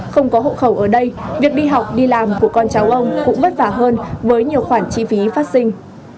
không có hộ khẩu ở đây việc đi học đi làm của con cháu ông cũng vất vả hơn với nhiều khoản chi phí phát sinh